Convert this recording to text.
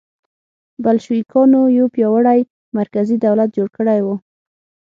بلشویکانو یو پیاوړی مرکزي دولت جوړ کړی و